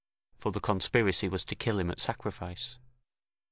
for the conspiracy was to kill him at sacrifice.